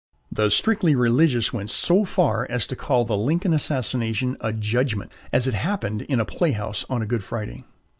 The strictly religious went so far as to call the Lincoln assassination a judgment(!), as it happened in a playhouse on a Good Friday!